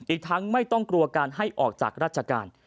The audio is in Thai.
อีกทั้งไม่ต้องกลัวการให้ออกจากราชการ